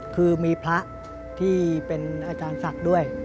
คือมีพระที่เป็นอาจารย์ศักดิ์ด้วย